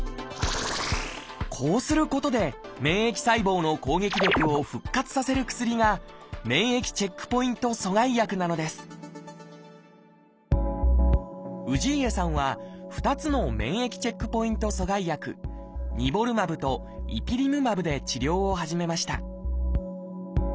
こうすることで免疫細胞の攻撃力を復活させる薬が免疫チェックポイント阻害薬なのです氏家さんは２つの免疫チェックポイント阻害薬「ニボルマブ」と「イピリムマブ」で治療を始めました